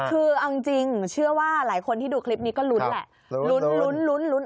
คือเอาจริงเชื่อว่าหลายคนที่ดูคลิปนี้ก็ลุ้นแหละลุ้น